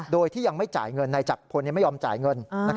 โดยที่ยังไม่จ่ายเงินนายจักรพลไม่ยอมจ่ายเงิน